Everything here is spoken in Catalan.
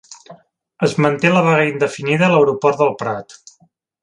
Es manté la vaga indefinida a l'aeroport del Prat